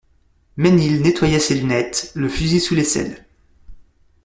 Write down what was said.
Mesnil nettoya ses lunettes, le fusil sous l'aisselle.